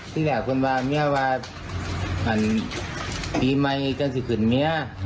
ที่แหละคุณบอกใหม่มีดปีใหม่ประสิทธิ์